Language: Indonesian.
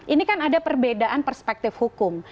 ini kan ada perbedaan perspektif hukum